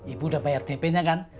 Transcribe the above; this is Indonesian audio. ibu udah bayar dp nya kan